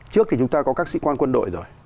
trước thì chúng ta có các sĩ quan quân đội rồi